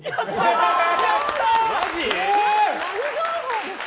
何情報ですか？